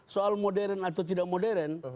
soal modern atau tidak modern